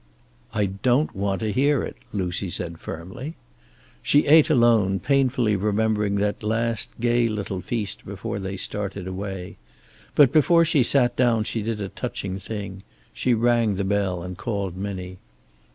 "I don't want to hear it," Lucy said firmly. She ate alone, painfully remembering that last gay little feast before they started away. But before she sat down she did a touching thing. She rang the bell and called Minnie.